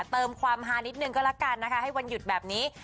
เติมความฮานิดนึงก็แล้วกันนะคะให้วันหยุดแบบนี้